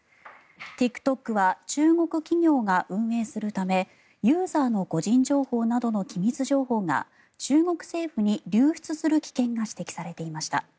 ＴｉｋＴｏｋは中国企業が運営するためユーザーの個人情報などの機密情報が中国政府に流出する危険性が指摘されていました。